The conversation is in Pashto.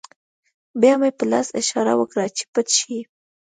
بیا مې په لاس اشاره وکړه چې پټ شئ